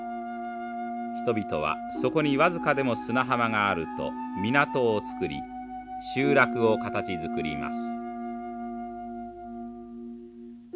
人々はそこに僅かでも砂浜があると港を造り集落を形づくります。